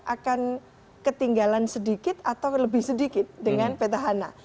akan ketinggalan sedikit atau lebih sedikit dengan peta hana